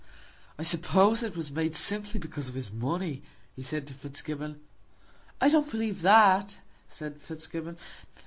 "I suppose it was made simply because of his money," he said to Fitzgibbon. "I don't believe that," said Fitzgibbon.